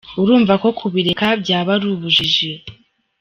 Urumva ko kubireka byaba ari ubujiji.